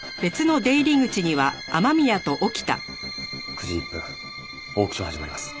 ９時１分オークション始まります。